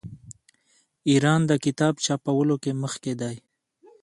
ایران د کتاب چاپولو کې مخکې دی.